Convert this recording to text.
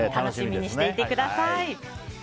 楽しみにしていてください。